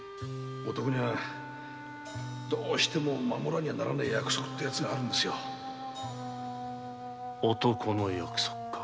男にはどうしても守らにゃならねぇ約束ってやつがあるんですよ男の約束か。